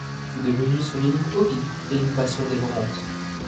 C'est devenu son unique hobby et une passion dévorante.